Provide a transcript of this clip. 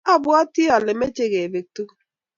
abwatii ale meche kebek tugul.